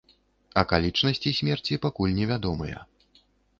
Акалічнасці смерці пакуль невядомыя.